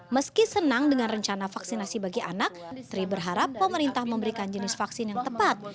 meski senang dengan rencana vaksinasi bagi anak sri berharap pemerintah memberikan jenis vaksin yang tepat